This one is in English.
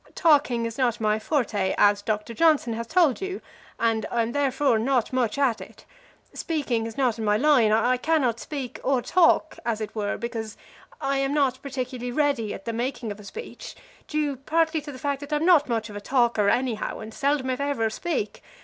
"Talking is not my forte, as Doctor Johnson has told you, and I am therefore not much at it. Speaking is not in my line. I cannot speak or talk, as it were, because I am not particularly ready at the making of a speech, due partly to the fact that I am not much of a talker anyhow, and seldom if ever speak.